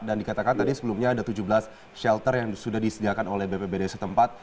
dan dikatakan tadi sebelumnya ada tujuh belas shelter yang sudah disediakan oleh bpbd setempat